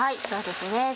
そうですね